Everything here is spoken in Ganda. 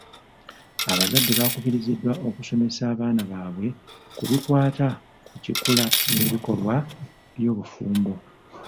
Abazadde bakubirizibwa okusomesa abaana baabwe ku bikwata ku kikula n'ebikolwa by'obufumbo.